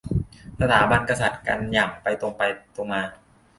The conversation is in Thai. สถาบันกษัตริย์ กันอย่างตรงไปตรงมา